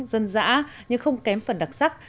dân dã nhưng không kém phần đặc sắc